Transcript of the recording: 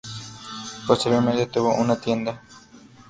Posteriormente tuvo una tienda.